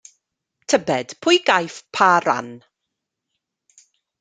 Tybed pwy gaiff pa ran?